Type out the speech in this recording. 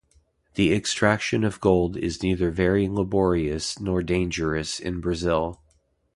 The extraction of gold is neither very laborious nor dangerous in Brazil.